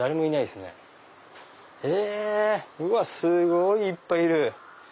すごいいっぱいいる。